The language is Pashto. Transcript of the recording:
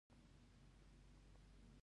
اصول د ټولنې د غړو ترمنځ همکاري یقیني کوي.